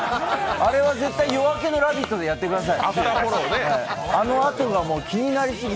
あれは「夜明けのラヴィット！」でやってください。